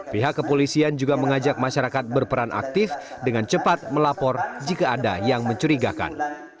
pihak kepolisian juga mengajak masyarakat berperan aktif dengan cepat melapor jika ada yang mencurigakan